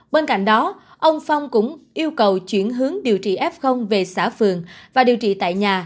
bên cạnh đó ông phong cũng yêu cầu chuyển hướng điều trị f về xã phường và điều trị tại nhà